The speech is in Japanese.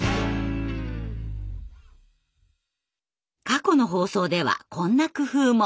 過去の放送ではこんな工夫も。